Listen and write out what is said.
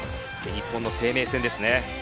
日本の生命線ですね。